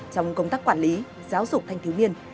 trong công tác quản lý giáo dục thanh thiếu niên